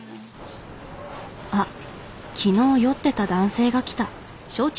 あっ昨日酔ってた男性が来た。